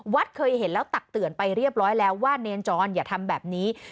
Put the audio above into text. เคยเห็นแล้วตักเตือนไปเรียบร้อยแล้วว่าเนรจรอย่าทำแบบนี้